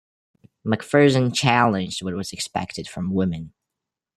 McPherson challenged what was expected from women.